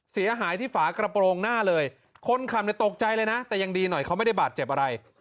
เสียหายที่ฝากระโปรงหน้าเลยคนขับเนี่ยตกใจเลยนะแต่ยังดีหน่อยเขาไม่ได้บาดเจ็บอะไร